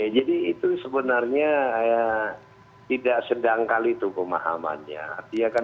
jadi itu sebenarnya tidak sedangkali itu pemahamannya